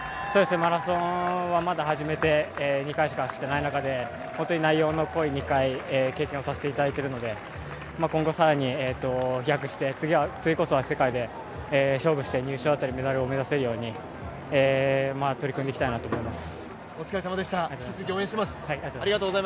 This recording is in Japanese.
マラソンはまだ始めて２回しか走っていない中で本当に内容の濃い２回を経験させていただいているので今後、更に飛躍して、次こそは世界で勝負して入賞だったりメダルを目指せるように取り組んでいきたいなと思います。